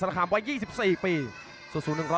มาครับปวดออกมาโอ้โหยิงไว้ขวาตรงครับแล้วกดคอลงมา